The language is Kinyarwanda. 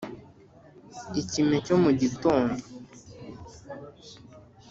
ikime cyo mu gitondo